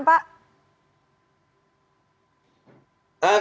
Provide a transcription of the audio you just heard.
apa yang terjadi pak